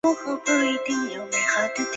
新疆花蛛为蟹蛛科花蛛属的动物。